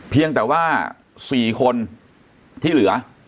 เพียงแต่ว่า๔คนที่เหลือ